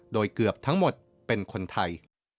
โดยเกือบทั้งหมดเป็นคนไทย